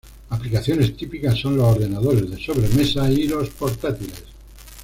Aplicaciones típicas son los ordenadores de sobremesa y los portátiles.